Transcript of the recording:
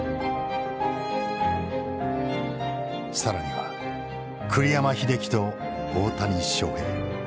更には栗山英樹と大谷翔平。